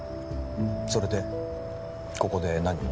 それでここで何を？